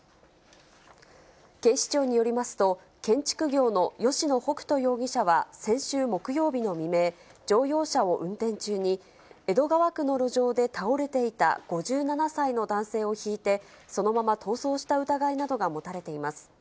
警視庁によりますと、建築業の吉野北斗容疑者は先週木曜日の未明、乗用車を運転中に、江戸川区の路上で倒れていた５７歳の男性をひいてそのまま逃走した疑いなどが持たれています。